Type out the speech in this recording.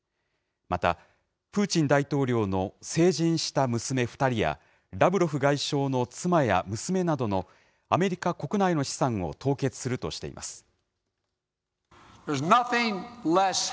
また、プーチン大統領の成人した娘２人や、ラブロフ外相の妻や娘などのアメリカ国内の資産を凍結するとしています。